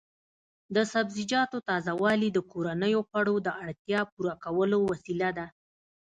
د سبزیجاتو تازه والي د کورنیو خوړو د اړتیا پوره کولو وسیله ده.